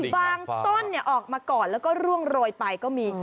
ต้นออกมาก่อนแล้วก็ร่วงโรยไปก็มี